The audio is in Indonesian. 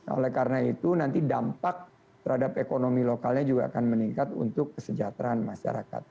oleh karena itu nanti dampak terhadap ekonomi lokalnya juga akan meningkat untuk kesejahteraan masyarakat